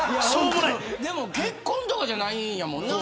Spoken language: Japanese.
でも、結婚とかじゃないんやもんな。